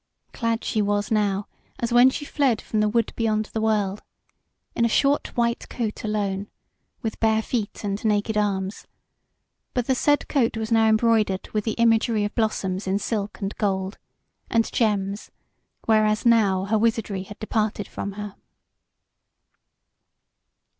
Clad she was now, as when she fled from the Wood beyond the World, in a short white coat alone, with bare feet and naked arms; but the said coat was now embroidered with the imagery of blossoms in silk and gold, and gems, whereas now her wizardry had departed from her.